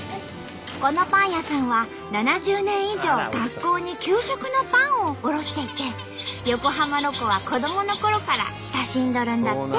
このパン屋さんは７０年以上学校に給食のパンを卸していて横浜ロコは子どものころから親しんどるんだって！